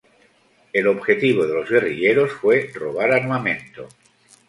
El objetivo de los guerrilleros fue robar armamento.